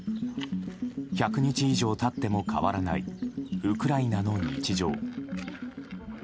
１００日以上経っても変わらないウクライナの日常。